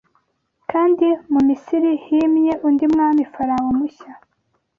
Kandi mu Misiri himye undi mwami Farawo mushya